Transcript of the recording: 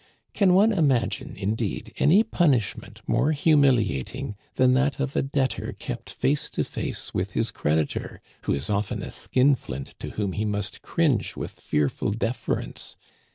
Can one imagine, indeed, any punishment more humiliating than that of a debtor kept face to face with his creditor, who is often a skinflint to whom he must cringe with fearful deference